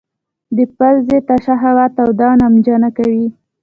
د پزې تشه هوا توده او نمجنه کوي.